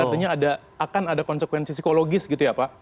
artinya akan ada konsekuensi psikologis gitu ya pak